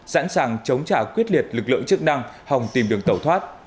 sẵn sàng chống trả quyết liệt lực lượng chức năng hòng tìm đường tẩu thoát